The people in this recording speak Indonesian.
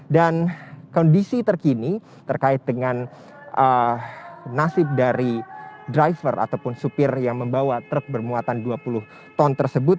dan kondisi terkini terkait dengan nasib dari driver ataupun supir yang membawa truk bermuatan dua puluh ton tersebut